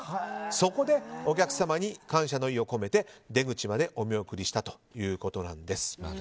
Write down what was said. そこで、お客様に感謝の意を込めて出口までお見送りしたということなんです。